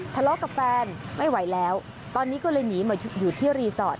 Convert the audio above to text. ทะเลาะกับแฟนไม่ไหวแล้วตอนนี้ก็เลยหนีมาอยู่ที่รีสอร์ท